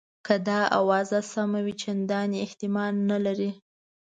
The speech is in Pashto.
که دا آوازه سمه وي چنداني احتمال نه لري.